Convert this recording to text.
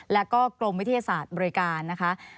แล้วก็กรมวิทยาศาสตร์บริการนะคะ